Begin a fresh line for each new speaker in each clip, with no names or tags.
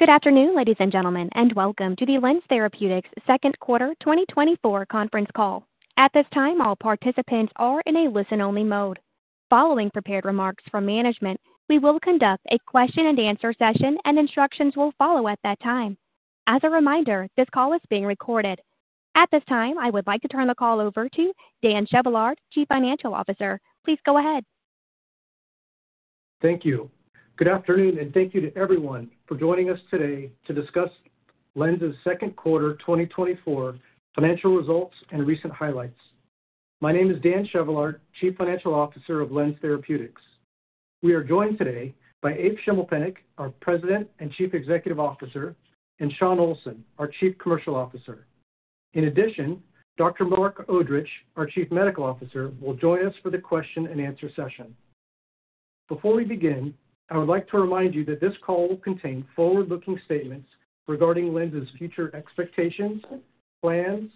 Good afternoon, ladies and gentlemen, and welcome to the LENZ Therapeutics' Q2 2024 Conference Call. At this time, all participants are in a listen-only mode. Following prepared remarks from management, we will conduct a question and answer session, and instructions will follow at that time. As a reminder, this call is being recorded. At this time, I would like to turn the call over to Dan Chevallard, Chief Financial Officer. Please go ahead.
Thank you. Good afternoon, and thank you to everyone for joining us today to discuss LENZ's Q2 2024 financial results and recent highlights. My name is Dan Chevallard, Chief Financial Officer of LENZ Therapeutics. We are joined today by Eve Schimmelpennink, our President and Chief Executive Officer, and Shawn Olsson, our Chief Commercial Officer. In addition, Dr. Marc Odrich, our Chief Medical Officer, will join us for the question and answer session. Before we begin, I would like to remind you that this call will contain forward-looking statements regarding LENZ's future expectations, plans,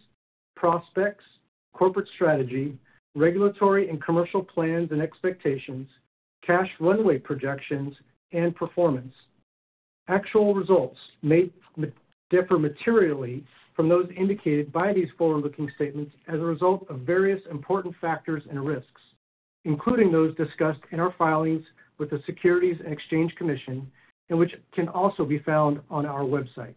prospects, corporate strategy, regulatory and commercial plans and expectations, cash runway projections, and performance. Actual results may differ materially from those indicated by these forward-looking statements as a result of various important factors and risks, including those discussed in our filings with the Securities and Exchange Commission, and which can also be found on our website.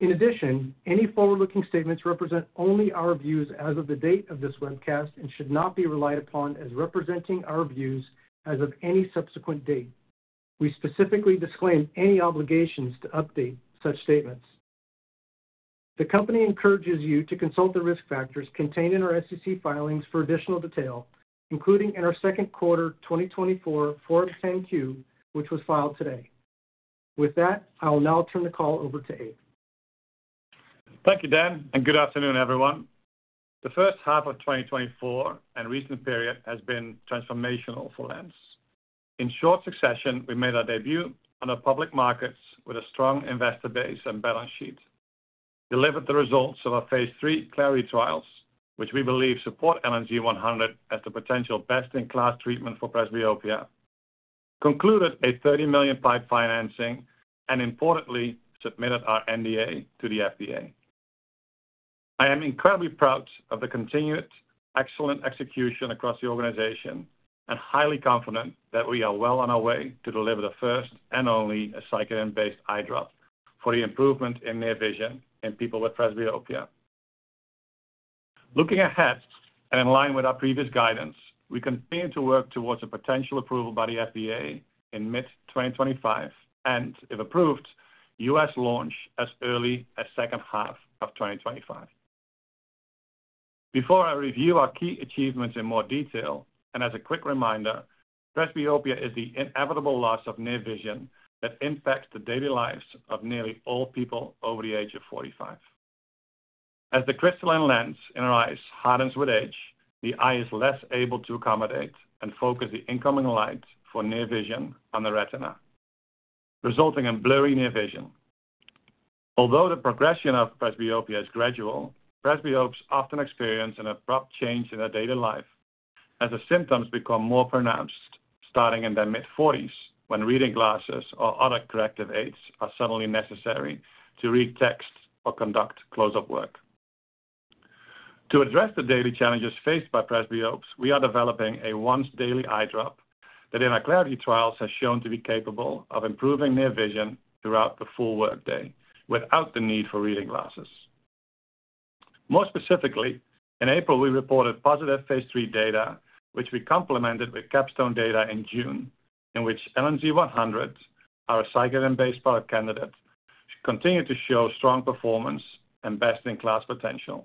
In addition, any forward-looking statements represent only our views as of the date of this webcast and should not be relied upon as representing our views as of any subsequent date. We specifically disclaim any obligations to update such statements. The company encourages you to consult the risk factors contained in our SEC filings for additional detail, including in our Q2 2024 Form 10-Q, which was filed today. With that, I will now turn the call over to Eve.
Thank you, Dan, and good afternoon, everyone. The first half of 2024 and recent period has been transformational for LENZ. In short succession, we made our debut on the public markets with a strong investor base and balance sheet, delivered the results of our phase 3 CLARITY trials, which we believe support LNZ100 as the potential best-in-class treatment for presbyopia, concluded a $30 million PIPE financing, and importantly, submitted our NDA to the FDA. I am incredibly proud of the continued excellent execution across the organization and highly confident that we are well on our way to deliver the first and only cyclodextrin-based eye drop for the improvement in near vision in people with presbyopia. Looking ahead, and in line with our previous guidance, we continue to work towards a potential approval by the FDA in mid-2025, and if approved, US launch as early as second half of 2025. Before I review our key achievements in more detail, and as a quick reminder, presbyopia is the inevitable loss of near vision that impacts the daily lives of nearly all people over the age of 45. As the crystalline lens in our eyes hardens with age, the eye is less able to accommodate and focus the incoming light for near vision on the retina, resulting in blurry near vision. Although the progression of presbyopia is gradual, presbyopes often experience an abrupt change in their daily life as the symptoms become more pronounced starting in their mid-40s, when reading glasses or other corrective aids are suddenly necessary to read text or conduct close-up work. To address the daily challenges faced by presbyopes, we are developing a once-daily eye drop that in our CLARITY trials has shown to be capable of improving near vision throughout the full workday without the need for reading glasses. More specifically, in April, we reported positive phase 3 data, which we complemented with capstone data in June, in which LNZ100, our cyclodextrin-based product candidate, continued to show strong performance and best-in-class potential.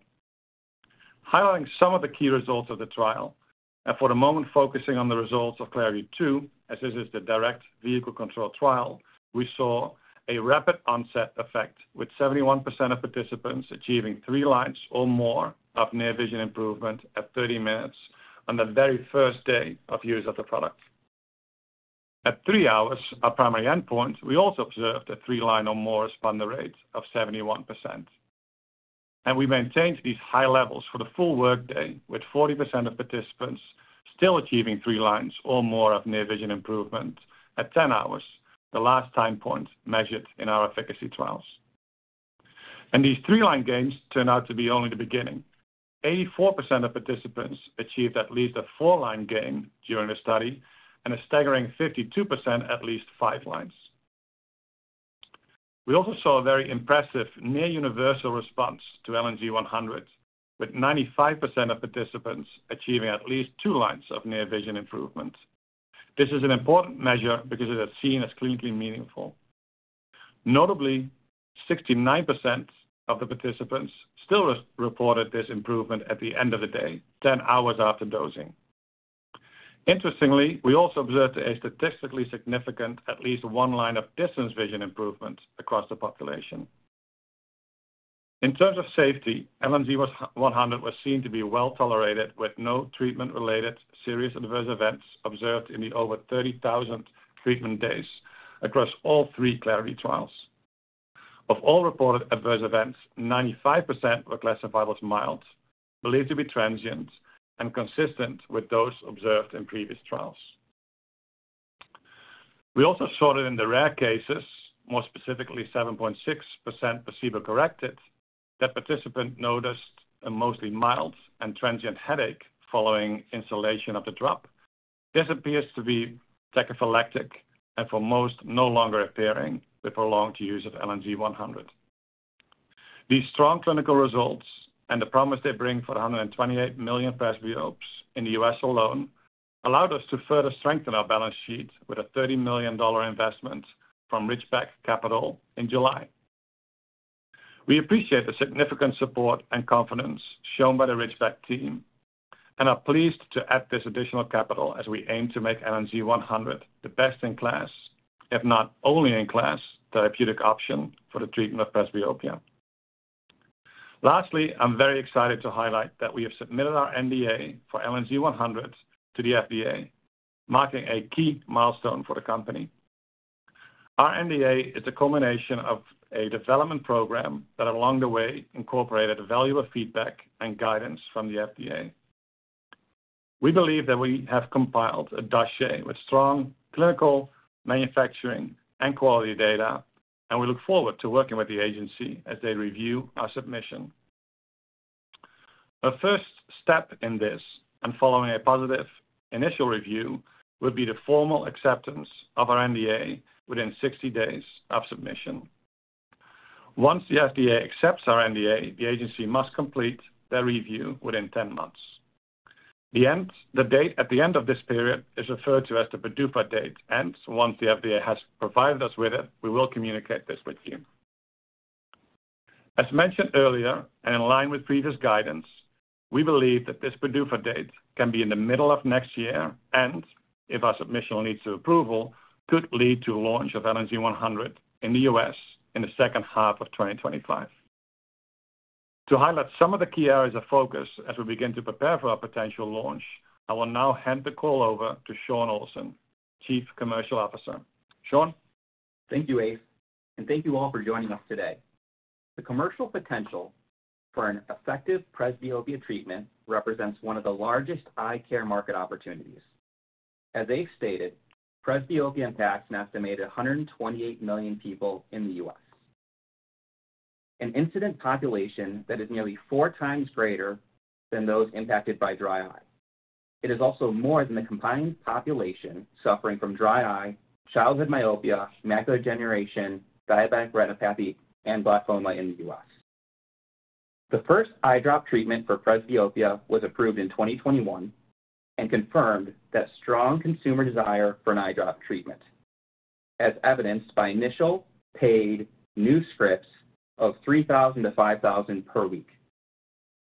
Highlighting some of the key results of the trial, and for the moment, focusing on the results of CLARITY 2, as this is the direct vehicle control trial, we saw a rapid onset effect, with 71% of participants achieving 3 lines or more of near vision improvement at 30 minutes on the very first day of use of the product. At 3 hours, our primary endpoint, we also observed a 3-line or more responder rate of 71%, and we maintained these high levels for the full workday, with 40% of participants still achieving 3 lines or more of near vision improvement at 10 hours, the last time point measured in our efficacy trials. And these 3-line gains turn out to be only the beginning. 84% of participants achieved at least a 4-line gain during the study and a staggering 52%, at least 5 lines. We also saw a very impressive near universal response to LNZ100, with 95% of participants achieving at least 2 lines of near vision improvement. This is an important measure because it is seen as clinically meaningful. Notably, 69% of the participants still reported this improvement at the end of the day, 10 hours after dosing. Interestingly, we also observed a statistically significant, at least one line of distance vision improvement across the population. In terms of safety, LNZ100 was seen to be well-tolerated, with no treatment-related serious adverse events observed in the over 30,000 treatment days across all three CLARITY trials. Of all reported adverse events, 95% were classified as mild, believed to be transient, and consistent with those observed in previous trials. We also saw that in the rare cases, more specifically 7.6% placebo-corrected, that participant noticed a mostly mild and transient headache following instillation of the drop. This appears to be cephalic and for most, no longer appearing with prolonged use of LNZ100. These strong clinical results and the promise they bring for 128 million presbyopes in the U.S. alone, allowed us to further strengthen our balance sheet with a $30 million investment from Ridgeback Capital in July. We appreciate the significant support and confidence shown by the Ridgeback team and are pleased to add this additional capital as we aim to make LNZ100 the best in class, if not only in class, therapeutic option for the treatment of presbyopia. Lastly, I'm very excited to highlight that we have submitted our NDA for LNZ100 to the FDA, marking a key milestone for the company. Our NDA is a culmination of a development program that, along the way, incorporated valuable feedback and guidance from the FDA. We believe that we have compiled a dossier with strong clinical, manufacturing, and quality data, and we look forward to working with the agency as they review our submission. The first step in this, and following a positive initial review, will be the formal acceptance of our NDA within 60 days of submission. Once the FDA accepts our NDA, the agency must complete their review within 10 months. The date at the end of this period is referred to as the PDUFA date, and once the FDA has provided us with it, we will communicate this with you. As mentioned earlier, and in line with previous guidance, we believe that this PDUFA date can be in the middle of next year, and if our submission leads to approval, could lead to launch of LNZ100 in the U.S. in the second half of 2025. To highlight some of the key areas of focus as we begin to prepare for our potential launch, I will now hand the call over to Shawn Olsson, Chief Commercial Officer. Sean?
Thank you, Eve, and thank you all for joining us today. The commercial potential for an effective presbyopia treatment represents one of the largest eye care market opportunities. As Eve stated, presbyopia impacts an estimated 128 million people in the U.S. An incident population that is nearly four times greater than those impacted by dry eye. It is also more than the combined population suffering from dry eye, childhood myopia, macular degeneration, diabetic retinopathy, and glaucoma in the U.S. The first eye drop treatment for presbyopia was approved in 2021 and confirmed that strong consumer desire for an eye drop treatment, as evidenced by initial paid new scripts of 3,000-5,000 per week.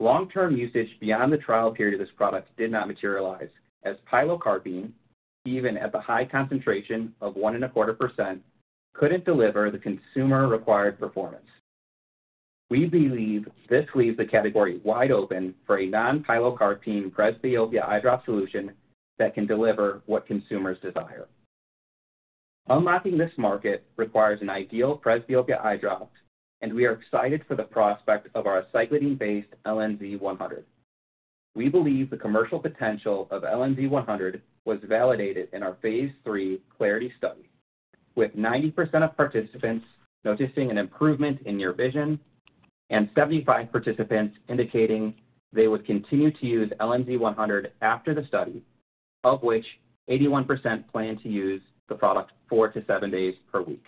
Long-term usage beyond the trial period of this product did not materialize, as pilocarpine, even at the high concentration of 1.25%, couldn't deliver the consumer-required performance. We believe this leaves the category wide open for a non-pilocarpine presbyopia eye drop solution that can deliver what consumers desire. Unlocking this market requires an ideal presbyopia eye drop, and we are excited for the prospect of our cyclodextrin-based LNZ100. We believe the commercial potential of LNZ100 was validated in our Phase 3 CLARITY study, with 90% of participants noticing an improvement in near vision and 75 participants indicating they would continue to use LNZ100 after the study, of which 81% plan to use the product four to seven days per week.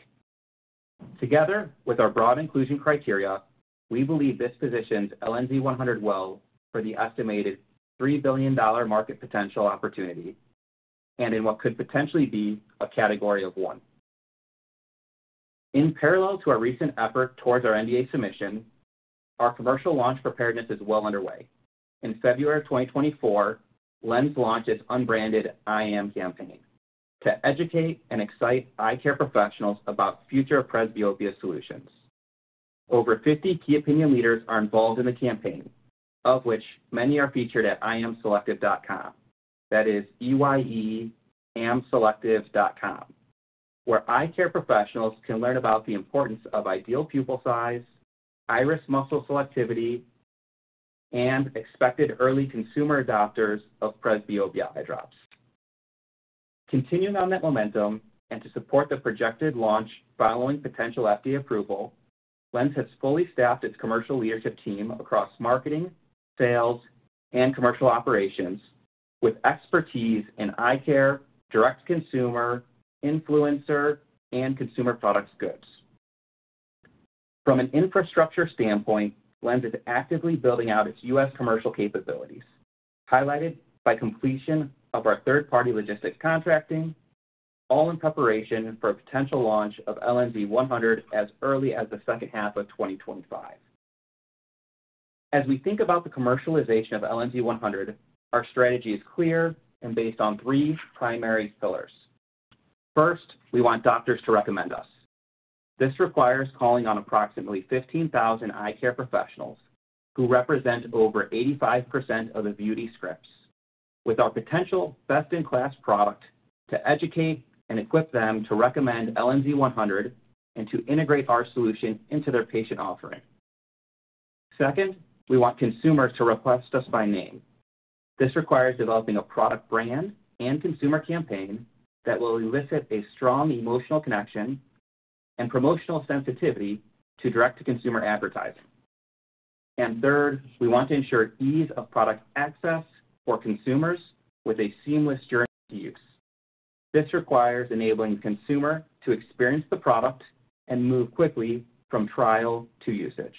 Together, with our broad inclusion criteria, we believe this positions LNZ100 well for the estimated $3 billion market potential opportunity and in what could potentially be a category of one. In parallel to our recent effort towards our NDA submission, our commercial launch preparedness is well underway. In February 2024, LENZ launched its unbranded EyeAm campaign to educate and excite eye care professionals about future presbyopia solutions. Over 50 key opinion leaders are involved in the campaign, of which many are featured at eyeamselective.com. That is E-Y-E amselective.com, where eye care professionals can learn about the importance of ideal pupil size, iris muscle selectivity, and expected early consumer adopters of presbyopia eye drops. Continuing on that momentum, and to support the projected launch following potential FDA approval, LENZ has fully staffed its commercial leadership team across marketing, sales, and commercial operations with expertise in eye care, direct consumer, influencer, and consumer products goods. From an infrastructure standpoint, LENZ is actively building out its U.S. commercial capabilities, highlighted by completion of our third-party logistics contracting, all in preparation for a potential launch of LNZ100 as early as the second half of 2025. As we think about the commercialization of LNZ100, our strategy is clear and based on three primary pillars. First, we want doctors to recommend us. This requires calling on approximately 15,000 eye care professionals who represent over 85% of the Rx scripts.... with our potential best-in-class product to educate and equip them to recommend LNZ100, and to integrate our solution into their patient offering. Second, we want consumers to request us by name. This requires developing a product brand and consumer campaign that will elicit a strong emotional connection and promotional sensitivity to direct-to-consumer advertising. Third, we want to ensure ease of product access for consumers with a seamless journey to use. This requires enabling consumer to experience the product and move quickly from trial to usage.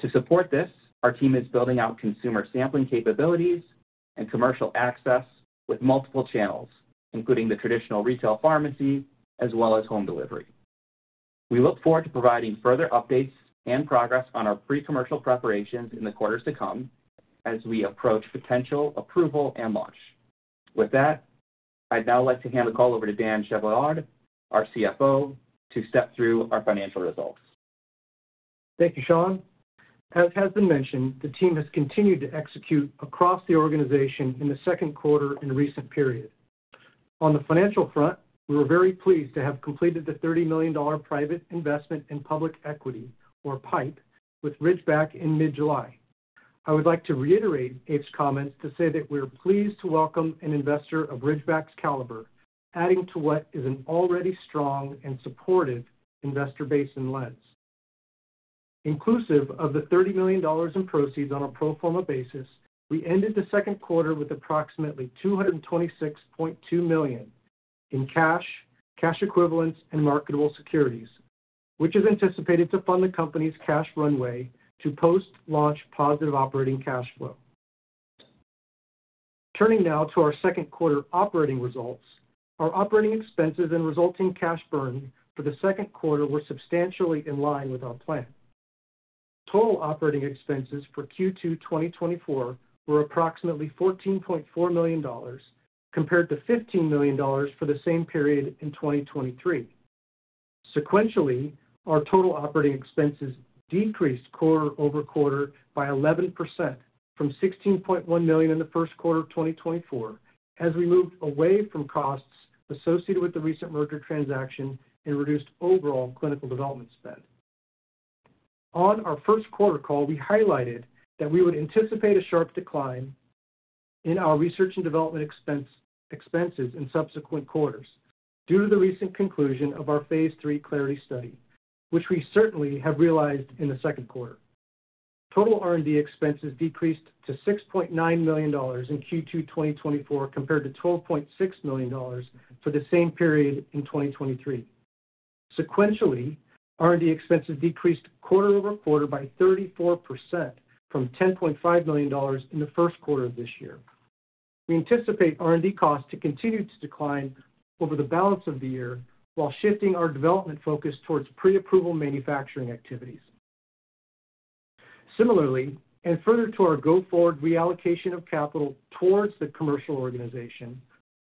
To support this, our team is building out consumer sampling capabilities and commercial access with multiple channels, including the traditional retail pharmacy as well as home delivery. We look forward to providing further updates and progress on our pre-commercial preparations in the quarters to come as we approach potential approval and launch. With that, I'd now like to hand the call over to Dan Chevallard, our CFO, to step through our financial results.
Thank you, Shawn. As has been mentioned, the team has continued to execute across the organization in the Q2 in recent period. On the financial front, we were very pleased to have completed the $30 million private investment in public equity, or PIPE, with Ridgeback in mid-July. I would like to reiterate Eve's comments to say that we are pleased to welcome an investor of Ridgeback's caliber, adding to what is an already strong and supportive investor base in LENZ. Inclusive of the $30 million in proceeds on a pro forma basis, we ended the Q2 with approximately $226.2 million in cash, cash equivalents, and marketable securities, which is anticipated to fund the company's cash runway to post-launch positive operating cash flow. Turning now to our Q2 operating results, our operating expenses and resulting cash burn for the Q2 were substantially in line with our plan. Total operating expenses for Q2 2024 were approximately $14.4 million, compared to $15 million for the same period in 2023. Sequentially, our total operating expenses decreased quarter-over-quarter by 11% from $16.1 million in the Q1 of 2024, as we moved away from costs associated with the recent merger transaction and reduced overall clinical development spend. On our Q1 call, we highlighted that we would anticipate a sharp decline in our research and development expense, expenses in subsequent quarters due to the recent conclusion of our phase 3 CLARITY study, which we certainly have realized in the Q2. Total R&D expenses decreased to $6.9 million in Q2 2024, compared to $12.6 million for the same period in 2023. Sequentially, R&D expenses decreased quarter-over-quarter by 34% from $10.5 million in the Q1 of this year. We anticipate R&D costs to continue to decline over the balance of the year, while shifting our development focus towards pre-approval manufacturing activities. Similarly, and further to our go-forward reallocation of capital towards the commercial organization,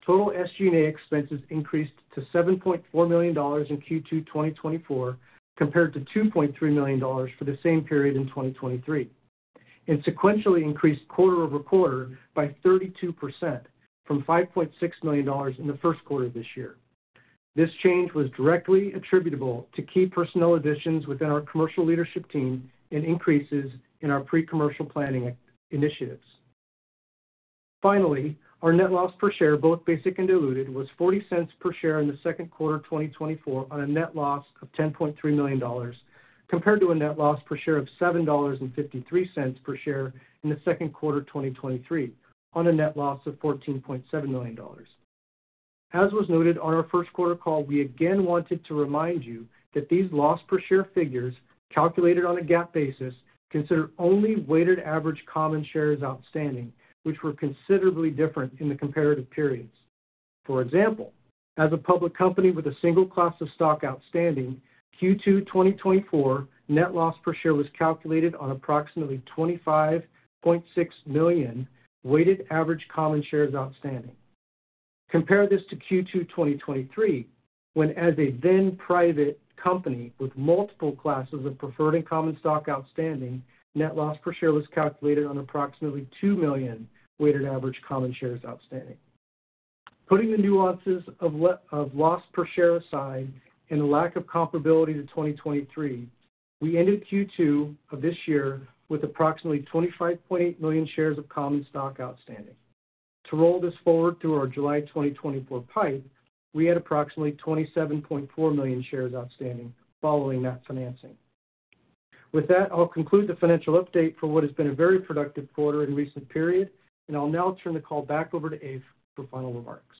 total SG&A expenses increased to $7.4 million in Q2 2024, compared to $2.3 million for the same period in 2023, and sequentially increased quarter-over-quarter by 32% from $5.6 million in the Q1 this year. This change was directly attributable to key personnel additions within our commercial leadership team and increases in our pre-commercial planning initiatives. Finally, our net loss per share, both basic and diluted, was $0.40 per share in the Q2 of 2024 on a net loss of $10.3 million, compared to a net loss per share of $7.53 per share in the Q2 of 2023 on a net loss of $14.7 million. As was noted on our Q1 call, we again wanted to remind you that these loss per share figures, calculated on a GAAP basis, consider only weighted average common shares outstanding, which were considerably different in the comparative periods. For example, as a public company with a single class of stock outstanding, Q2 2024 net loss per share was calculated on approximately 25.6 million weighted average common shares outstanding. Compare this to Q2 2023, when, as a then private company with multiple classes of preferred and common stock outstanding, net loss per share was calculated on approximately 2 million weighted average common shares outstanding. Putting the nuances of loss per share aside and the lack of comparability to 2023, we ended Q2 of this year with approximately 25.8 million shares of common stock outstanding. To roll this forward to our July 2024 PIPE, we had approximately 27.4 million shares outstanding following that financing. With that, I'll conclude the financial update for what has been a very productive quarter in recent period, and I'll now turn the call back over to Eve for final remarks.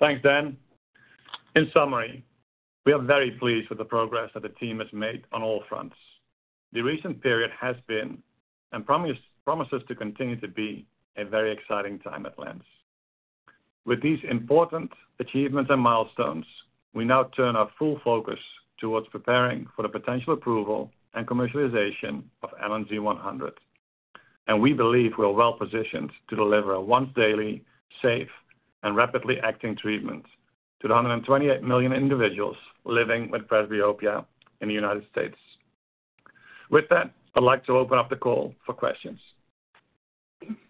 Thanks, Dan. In summary, we are very pleased with the progress that the team has made on all fronts. The recent period has been, and promises to continue to be, a very exciting time at LENZ. With these important achievements and milestones, we now turn our full focus towards preparing for the potential approval and commercialization of LNZ100, and we believe we are well positioned to deliver a once-daily, safe, and rapidly acting treatment to the 128 million individuals living with presbyopia in the United States. With that, I'd like to open up the call for questions.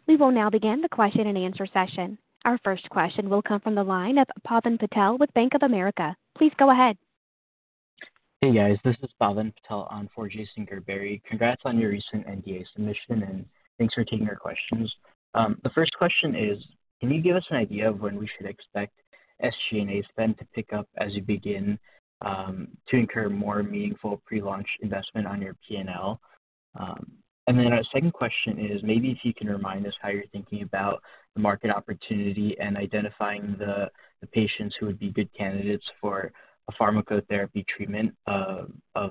We will now begin the question and answer session. Our first question will come from the line of Pavan Patel with Bank of America. Please go ahead.
Hey, guys. This is Pavan Patel on for Jason Gerberry. Congrats on your recent NDA submission, and thanks for taking our questions. The first question is, can you give us an idea of when we should expect SG&A spend to pick up as you begin to incur more meaningful pre-launch investment on your PNL? And then our second question is, maybe if you can remind us how you're thinking about the market opportunity and identifying the patients who would be good candidates for a pharmacotherapy treatment of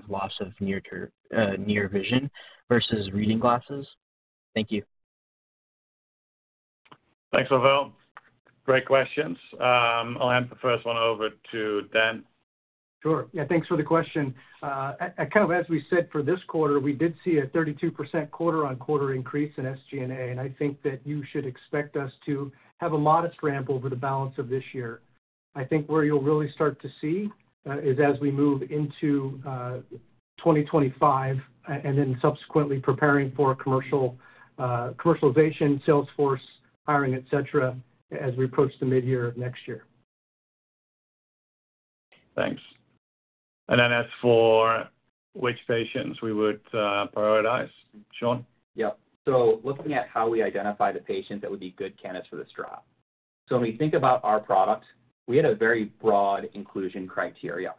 loss of near vision versus reading glasses. Thank you.
Thanks, Pavan. Great questions. I'll hand the first one over to Dan.
Sure. Yeah, thanks for the question. Kind of as we said for this quarter, we did see a 32% quarter-on-quarter increase in SG&A, and I think that you should expect us to have a lot of ramp over the balance of this year. I think where you'll really start to see is as we move into 2025, and then subsequently preparing for commercialization, sales force, hiring, et cetera, as we approach the midyear of next year.
Thanks. And then as for which patients we would prioritize, Shawn?
Yeah. So looking at how we identify the patients that would be good candidates for this drop. So when we think about our product, we had a very broad inclusion criteria.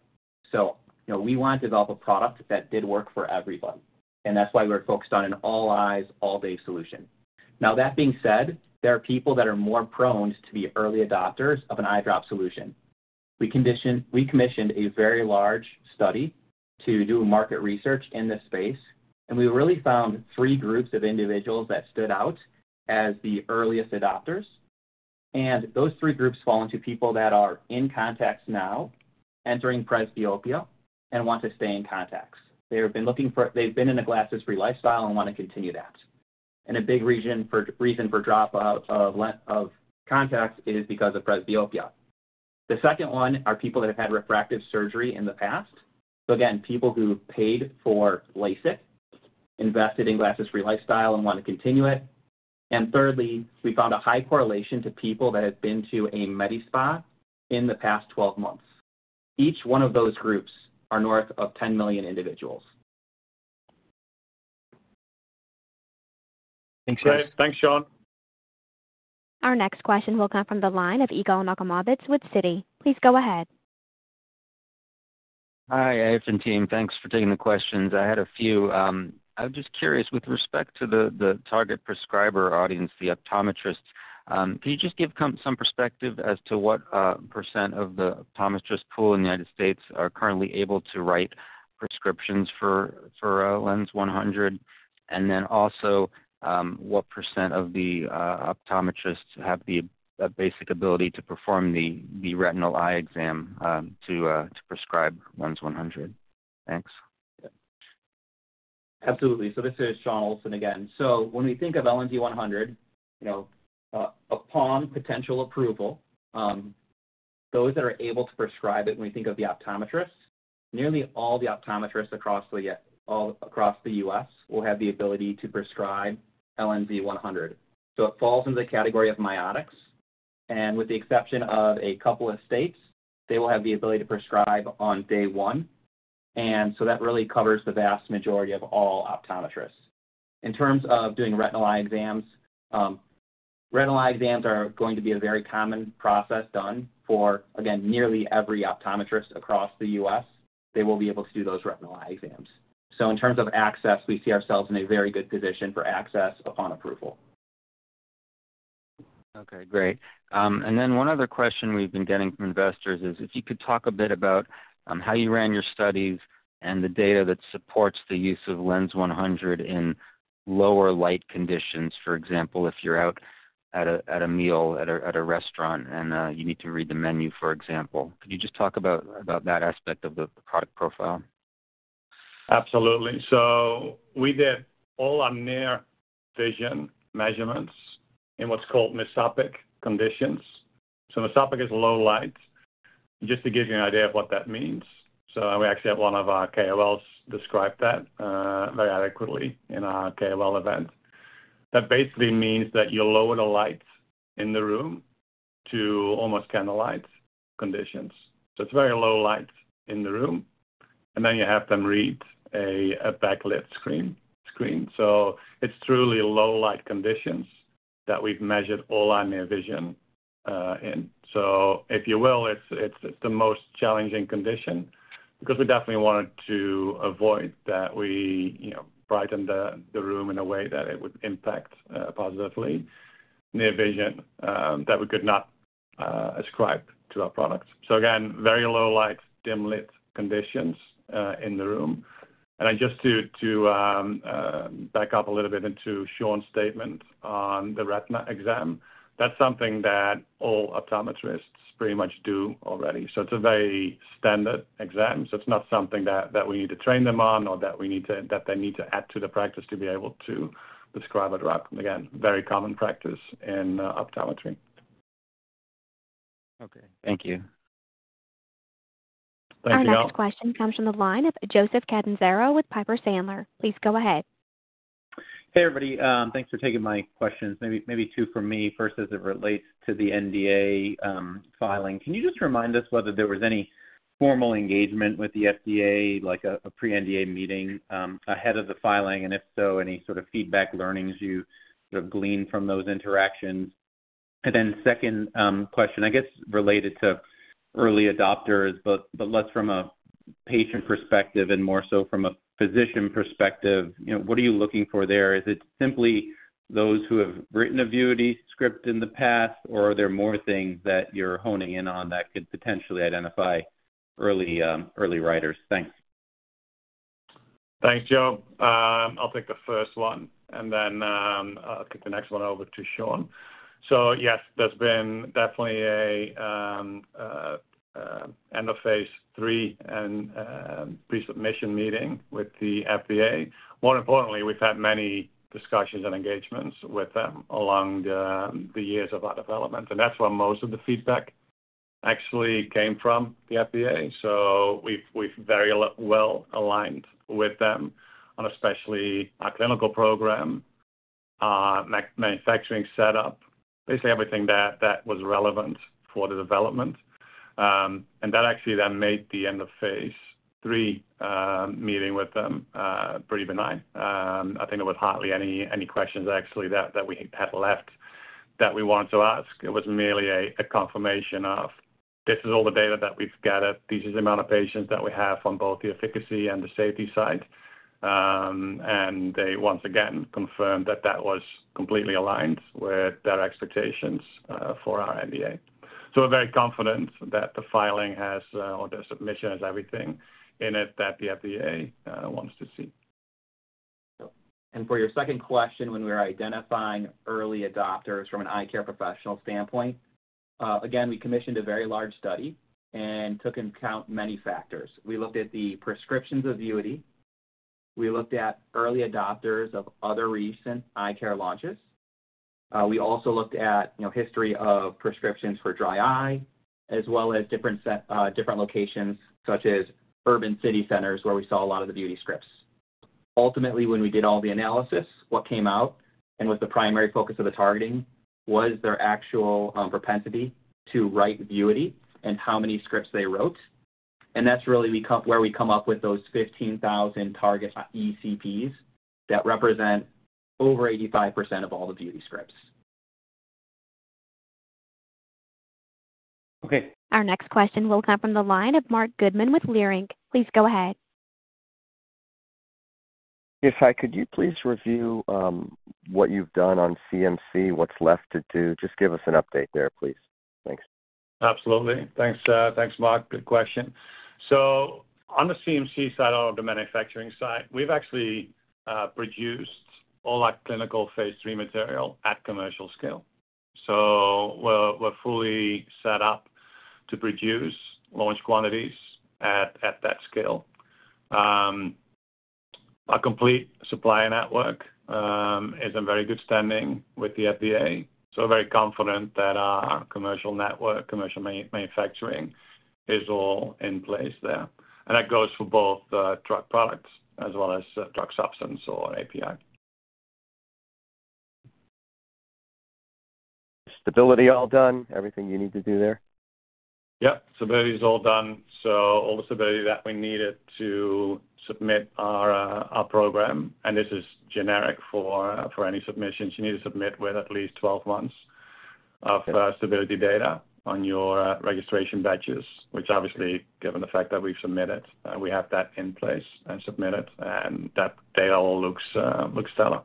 So, you know, we wanted to develop a product that did work for everybody, and that's why we're focused on an all eyes, all-day solution. Now, that being said, there are people that are more prone to be early adopters of an eye drop solution. We commissioned a very large study to do market research in this space, and we really found three groups of individuals that stood out as the earliest adopters, and those three groups fall into people that are in contacts now, entering presbyopia, and want to stay in contacts. They have been looking for... They've been in a glasses-free lifestyle and want to continue that. A big reason for dropout of contacts is because of presbyopia. The second one are people that have had refractive surgery in the past. So again, people who paid for LASIK, invested in glasses-free lifestyle and want to continue it. And thirdly, we found a high correlation to people that have been to a med spa in the past 12 months. Each one of those groups are north of 10 million individuals.
Thanks, guys.
Great. Thanks, Shawn.
Our next question will come from the line of Igor Nakhamovets with Citi. Please go ahead.
Hi, Eve and team. Thanks for taking the questions. I had a few. I was just curious, with respect to the target prescriber audience, the optometrists, can you just give some perspective as to what % of the optometrist pool in the United States are currently able to write prescriptions for LNZ100? And then also, what % of the optometrists have the basic ability to perform the retinal eye exam to prescribe LNZ100? Thanks.
Absolutely. So this is Shawn Olsson again. So when we think of LNZ100, you know, upon potential approval, those that are able to prescribe it, when we think of the optometrists, nearly all the optometrists across the, all across the U.S. will have the ability to prescribe LNZ100. So it falls into the category of miotics, and with the exception of a couple of states, they will have the ability to prescribe on day one, and so that really covers the vast majority of all optometrists. In terms of doing retinal eye exams, retinal eye exams are going to be a very common process done for, again, nearly every optometrist across the U.S., they will be able to do those retinal eye exams. So in terms of access, we see ourselves in a very good position for access upon approval.
Okay, great. And then one other question we've been getting from investors is if you could talk a bit about how you ran your studies and the data that supports the use of LNZ100 in lower light conditions. For example, if you're out at a meal at a restaurant and you need to read the menu, for example. Could you just talk about that aspect of the product profile?
Absolutely. So we did all our near vision measurements in what's called mesopic conditions. So mesopic is low light. Just to give you an idea of what that means, so we actually have one of our KOLs describe that, very adequately in our KOL event. That basically means that you lower the lights in the room to almost candlelight conditions. So it's very low light in the room, and then you have them read a backlit screen, screen. So it's truly low light conditions that we've measured all our near vision in. So if you will, it's the most challenging condition because we definitely wanted to avoid that we, you know, brighten the room in a way that it would impact positively near vision that we could not ascribe to our product. So again, very low light, dimly lit conditions in the room. And then just to back up a little bit into Shawn's statement on the retina exam, that's something that all optometrists pretty much do already. So it's a very standard exam, so it's not something that we need to train them on or that we need to, that they need to add to the practice to be able to prescribe a drop. Again, very common practice in optometry....
Okay, thank you.
Thank you.
Our next question comes from the line of Joseph Catanzaro with Piper Sandler. Please go ahead.
Hey, everybody. Thanks for taking my questions. Maybe, maybe two from me. First, as it relates to the NDA filing, can you just remind us whether there was any formal engagement with the FDA, like a pre-NDA meeting ahead of the filing? And if so, any sort of feedback learnings you sort of gleaned from those interactions? And then second question, I guess, related to early adopters, but less from a patient perspective and more so from a physician perspective, you know, what are you looking for there? Is it simply those who have written a VUITY script in the past, or are there more things that you're honing in on that could potentially identify early, early writers? Thanks.
Thanks, Joe. I'll take the first one, and then I'll kick the next one over to Shawn. So yes, there's been definitely an end-of-phase III and pre-submission meeting with the FDA. More importantly, we've had many discussions and engagements with them along the years of our development, and that's where most of the feedback actually came from, the FDA. So we've very well aligned with them on especially our clinical program, manufacturing setup, basically everything that was relevant for the development. And that actually then made the end-of-phase III meeting with them pretty benign. I think there was hardly any questions actually that we had left that we wanted to ask. It was merely a confirmation of, this is all the data that we've gathered, this is the amount of patients that we have on both the efficacy and the safety side. And they once again confirmed that that was completely aligned with their expectations for our NDA. So we're very confident that the filing has, or the submission has everything in it that the FDA wants to see.
And for your second question, when we were identifying early adopters from an eye care professional standpoint, again, we commissioned a very large study and took into account many factors. We looked at the prescriptions of VUITY. We looked at early adopters of other recent eye care launches. We also looked at, you know, history of prescriptions for dry eye, as well as different locations, such as urban city centers, where we saw a lot of the VUITY scripts. Ultimately, when we did all the analysis, what came out and was the primary focus of the targeting was their actual propensity to write VUITY and how many scripts they wrote. And that's really where we come up with those 15,000 target ECPs that represent over 85% of all the VUITY scripts.
Okay.
Our next question will come from the line of Marc Goodman with Leerink. Please go ahead.
Yes, hi, could you please review, what you've done on CMC, what's left to do? Just give us an update there, please. Thanks.
Absolutely. Thanks, thanks, Mark. Good question. So on the CMC side, or the manufacturing side, we've actually produced all our clinical phase III material at commercial scale. So we're fully set up to produce large quantities at that scale. Our complete supplier network is in very good standing with the FDA, so we're very confident that our commercial network, commercial manufacturing is all in place there. And that goes for both the drug products as well as drug substance or API.
Stability all done, everything you need to do there?
Yep, stability is all done. So all the stability that we needed to submit our, our program, and this is generic for, for any submissions. You need to submit with at least 12 months of, stability data on your, registration batches, which obviously, given the fact that we've submitted, we have that in place and submitted, and that data all looks, looks stellar.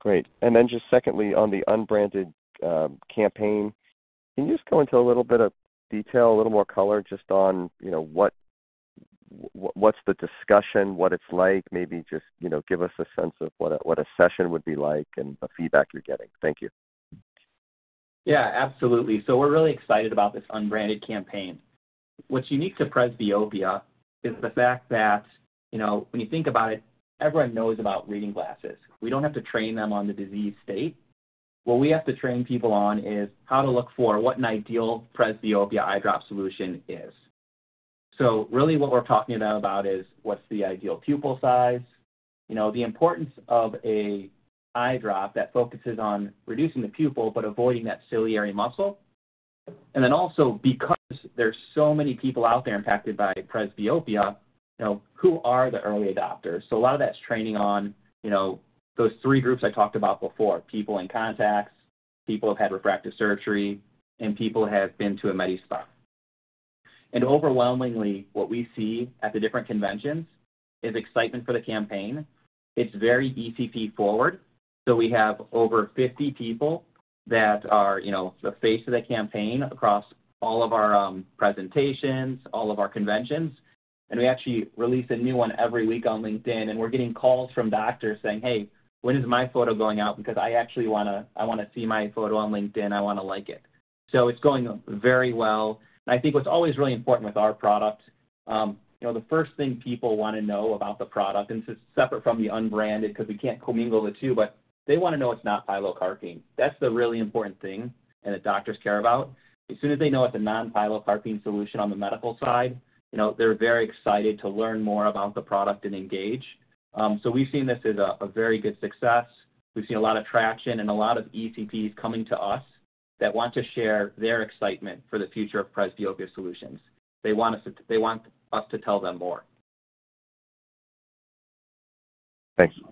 Great. And then just secondly, on the unbranded campaign, can you just go into a little bit of detail, a little more color, just on, you know, what's the discussion, what it's like? Maybe just, you know, give us a sense of what a session would be like and the feedback you're getting. Thank you.
Yeah, absolutely. So we're really excited about this unbranded campaign. What's unique to presbyopia is the fact that, you know, when you think about it, everyone knows about reading glasses. We don't have to train them on the disease state. What we have to train people on is how to look for what an ideal presbyopia eye drop solution is. So really what we're talking about is what's the ideal pupil size, you know, the importance of a eye drop that focuses on reducing the pupil, but avoiding that ciliary muscle. And then also because there's so many people out there impacted by presbyopia, you know, who are the early adopters? So a lot of that's training on, you know, those three groups I talked about before: people in contacts, people who've had refractive surgery, and people who have been to a medi spa. Overwhelmingly, what we see at the different conventions is excitement for the campaign. It's very ECP forward, so we have over 50 people that are, you know, the face of the campaign across all of our presentations, all of our conventions, and we actually release a new one every week on LinkedIn. And we're getting calls from doctors saying, "Hey, when is my photo going out? Because I actually wanna—I wanna see my photo on LinkedIn. I wanna like it." So it's going very well. I think what's always really important with our product. You know, the first thing people want to know about the product, and this is separate from the unbranded because we can't commingle the two, but they want to know it's not pilocarpine. That's the really important thing and that doctors care about. As soon as they know it's a non-pilocarpine solution on the medical side, you know, they're very excited to learn more about the product and engage. So we've seen this as a very good success. We've seen a lot of traction and a lot of ECPs coming to us that want to share their excitement for the future of presbyopia solutions. They want us to, they want us to tell them more.
Thank you.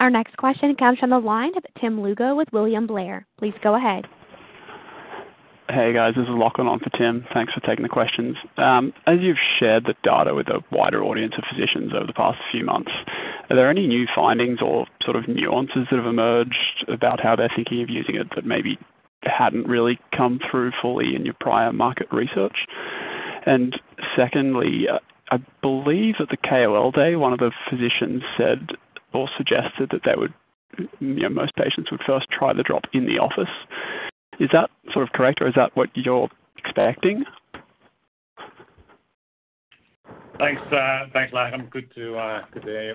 Our next question comes from the line of Tim Lugo with William Blair. Please go ahead.
Hey, guys, this is Lachlan on for Tim. Thanks for taking the questions. As you've shared the data with a wider audience of physicians over the past few months, are there any new findings or sort of nuances that have emerged about how they're thinking of using it, that maybe hadn't really come through fully in your prior market research? And secondly, I believe at the KOL Day, one of the physicians said or suggested that they would, you know, most patients would first try the drop in the office. Is that sort of correct, or is that what you're expecting?
Thanks, thanks, Lachlan. Good to, good to hear you.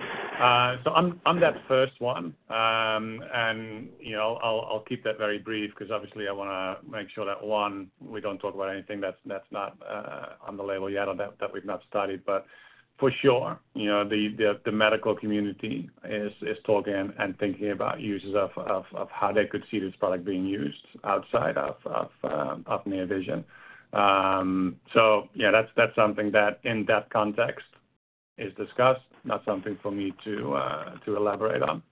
So on, on that first one, and, you know, I'll, I'll keep that very brief because obviously I wanna make sure that, one, we don't talk about anything that's, that's not, on the label yet or that, that we've not studied. But for sure, you know, the, the, the medical community is, is talking and thinking about uses of, of, of how they could see this product being used outside of, of, of near vision. So yeah, that's, that's something that, in that context, is discussed, not something for me to, to elaborate on.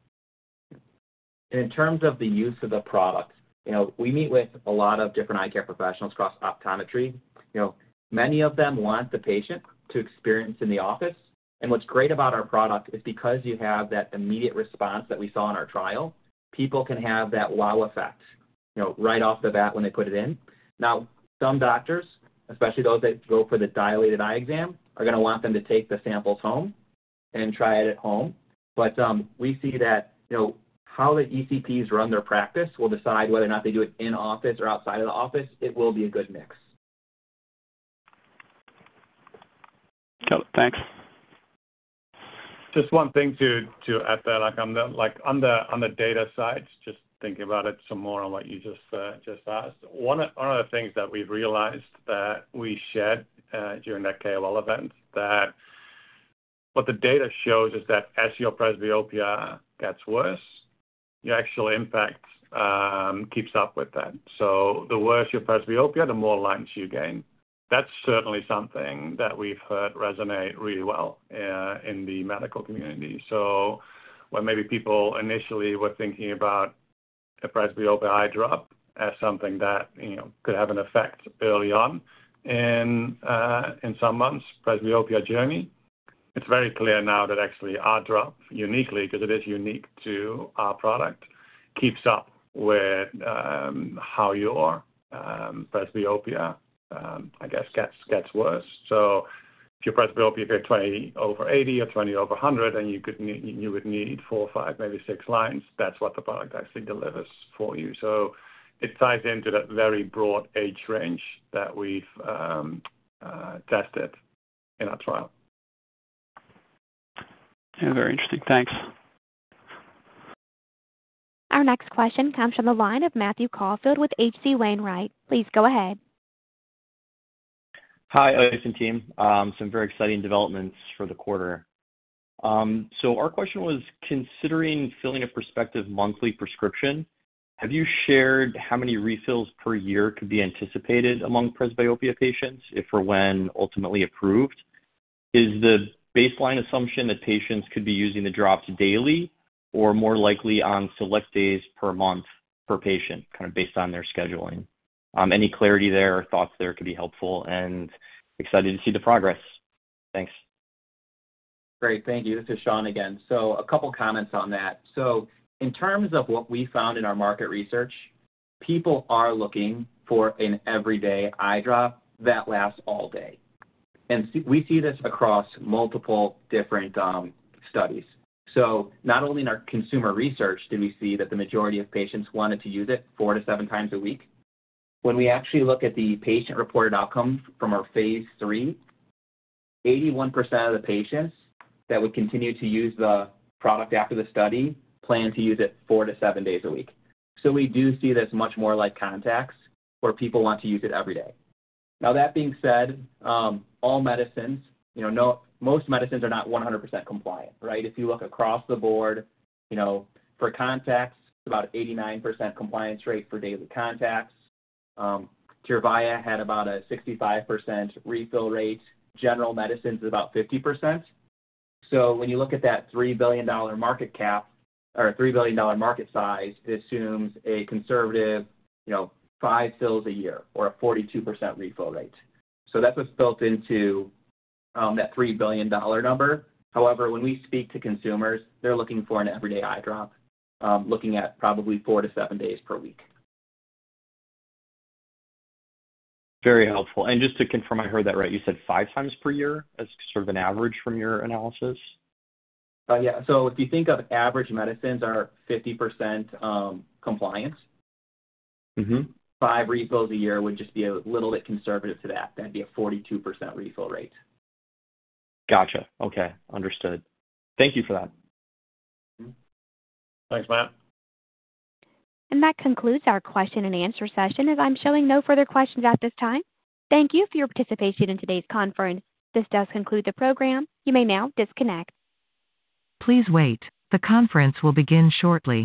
In terms of the use of the product, you know, we meet with a lot of different eye care professionals across optometry. You know, many of them want the patient to experience in the office, and what's great about our product is because you have that immediate response that we saw in our trial, people can have that wow effect, you know, right off the bat when they put it in. Now, some doctors, especially those that go for the dilated eye exam, are gonna want them to take the samples home and try it at home. But, we see that, you know, how the ECPs run their practice will decide whether or not they do it in office or outside of the office. It will be a good mix.
Got it. Thanks.
Just one thing to add there, like, on the data side, just thinking about it some more on what you just asked. One of the things that we've realized that we shared during that KOL event, that what the data shows is that as your presbyopia gets worse, the actual impact keeps up with that. So the worse your presbyopia, the more lines you gain. That's certainly something that we've heard resonate really well in the medical community. So when maybe people initially were thinking about a presbyopia eye drop as something that, you know, could have an effect early on in someone's presbyopia journey, it's very clear now that actually our drop, uniquely, because it is unique to our product, keeps up with how your presbyopia, I guess, gets worse. So if your presbyopia, if you're 20/80 or 20/100, and you would need 4, 5, maybe 6 lines, that's what the product actually delivers for you. So it ties into that very broad age range that we've tested in our trial.
Yeah, very interesting. Thanks.
Our next question comes from the line of Matthew Caufield with H.C. Wainwright. Please go ahead.
Hi, Olsson team. Some very exciting developments for the quarter. So our question was: considering filling a prospective monthly prescription, have you shared how many refills per year could be anticipated among presbyopia patients if or when ultimately approved? Is the baseline assumption that patients could be using the drops daily or more likely on select days per month per patient, kind of based on their scheduling? Any clarity there or thoughts there could be helpful, and excited to see the progress. Thanks.
Great. Thank you. This is Shawn again. So a couple comments on that. So in terms of what we found in our market research, people are looking for an everyday eye drop that lasts all day, and we see this across multiple different studies. So not only in our consumer research did we see that the majority of patients wanted to use it 4-7 times a week. When we actually look at the patient-reported outcomes from our phase 3, 81% of the patients that would continue to use the product after the study plan to use it 4-7 days a week. So we do see this much more like contacts, where people want to use it every day. Now, that being said, all medicines, you know, most medicines are not 100% compliant, right? If you look across the board, you know, for contacts, it's about 89% compliance rate for daily contacts. Tyrvaya had about a 65% refill rate. General medicines is about 50%. So when you look at that $3 billion market cap, or $3 billion market size, it assumes a conservative, you know, 5 fills a year or a 42% refill rate. So that's what's built into that $3 billion number. However, when we speak to consumers, they're looking for an everyday eye drop, looking at probably 4-7 days per week.
Very helpful. Just to confirm I heard that right, you said five times per year as sort of an average from your analysis?
Yeah. So if you think of average medicines are 50% compliance 5 refills a year would just be a little bit conservative to that. That'd be a 42% refill rate.
Gotcha. Okay. Understood. Thank you for that.
Thanks, Matt.
That concludes our question and answer session, as I'm showing no further questions at this time. Thank you for your participation in today's conference. This does conclude the program. You may now disconnect. Please wait. The conference will begin shortly.